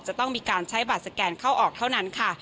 จะต้องมีการใช้บัตรสแกนเข้าออกเท่านั้นค่ะ